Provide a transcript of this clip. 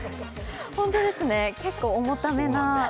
本当ですね、結構重ためな。